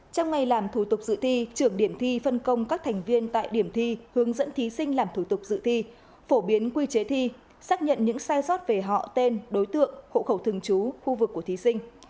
trong ngày làm thủ tục dự thi trưởng điểm thi phân công các thành viên tại điểm thi hướng dẫn thí sinh làm thủ tục dự thi phổ biến quy chế thi xác nhận những sai sót về họ tên đối tượng hộ khẩu thường trú khu vực của thí sinh